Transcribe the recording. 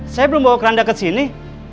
saya belum bawa kerandanya